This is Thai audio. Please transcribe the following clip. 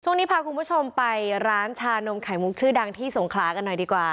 ช่วงนี้พาคุณผู้ชมไปร้านชานมไข่มุกชื่อดังที่สงขลากันหน่อยดีกว่า